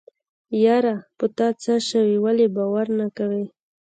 يره په تاڅه شوي ولې باور نه کوې.